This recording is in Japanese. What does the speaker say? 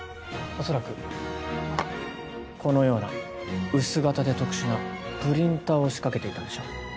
恐らくこのような薄型で特殊なプリンターを仕掛けていたんでしょう。